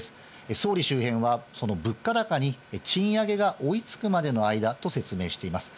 総理周辺は、その物価高に賃上げが追いつくまでの間と説明しています。